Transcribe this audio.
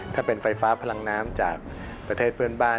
ถ้าเป็นไฟฟ้าพลังน้ำจากประเทศเพื่อนบ้าน